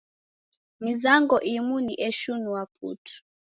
Mizango imu ni eshinua putu.